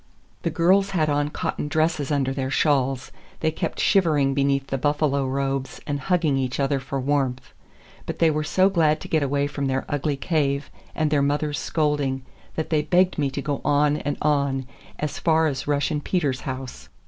The girls had on cotton dresses under their shawls; they kept shivering beneath the buffalo robes and hugging each other for warmth. But they were so glad to get away from their ugly cave and their mother's scolding that they begged me to go on and on, as far as Russian Peter's house.